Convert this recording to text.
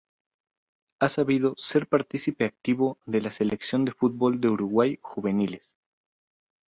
Ha sabido ser partícipe activo de la Selección de fútbol de Uruguay juveniles.